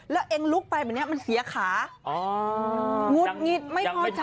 แล้วเองลุกไปเหมือนเนี้ยมันเสียขาอ๋อ